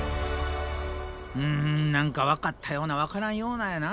うん何か分かったような分からんようなやな